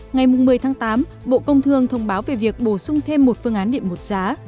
ngày một mươi tháng tám bộ công thương thông báo về việc bổ sung thêm một phương án điện một giá